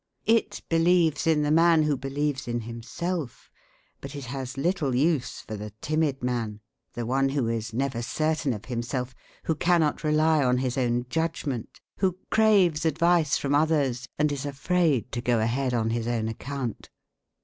It believes in the man who believes in himself, but it has little use for the timid man, the one who is never certain of himself; who cannot rely on his own judgment, who craves advice from others, and is afraid to go ahead on his own account.